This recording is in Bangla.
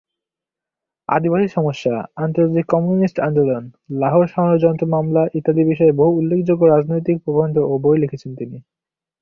আদিবাসী সমস্যা, আন্তর্জাতিক কমিউনিস্ট আন্দোলন, লাহোর ষড়যন্ত্র মামলা ইত্যাদি বিষয়ে বহু উল্লেখযোগ্য রাজনৈতিক প্রবন্ধ ও বই লিখেছেন তিনি।